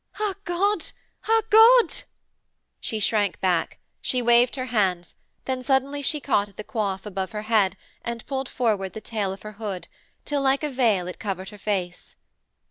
Ah God! ah God!' She shrank back; she waved her hands, then suddenly she caught at the coif above her head and pulled forward the tail of her hood till, like a veil, it covered her face.